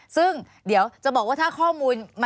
ซึ่งเดี๋ยวจะบอกว่าถ้าข้อมูล